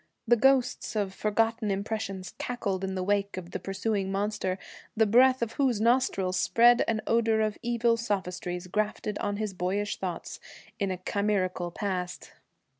The ghosts of forgotten impressions cackled in the wake of the pursuing monster, the breath of whose nostrils spread an odor of evil sophistries grafted on his boyish thoughts in a chimerical past.